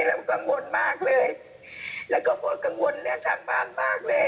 แล้วก็กังวลมากเลยแล้วก็กังวลเนี่ยทางบ้านมากเลย